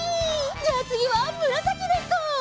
じゃあつぎはむらさきでいこう！